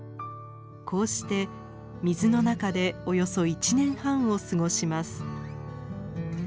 こうして水の中でおよそ１年半を過ごします。